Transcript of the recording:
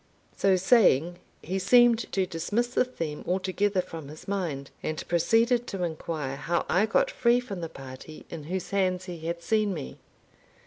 So saying, he seemed to dismiss the theme altogether from his mind, and proceeded to inquire how I got free from the party in whose hands he had seen me.